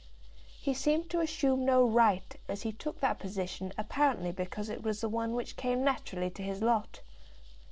He seemed to assume no right, as he took that position apparently because it was the one which came naturally to his lot.